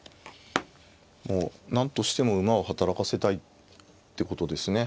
もうなんとしても馬を働かせたいってことですね。